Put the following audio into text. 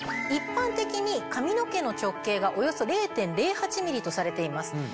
一般的に髪の毛の直径がおよそ０．０８ｍｍとされています。